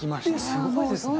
すごいですね。